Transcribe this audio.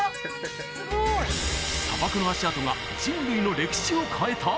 すごい砂漠の足跡が人類の歴史を変えた！？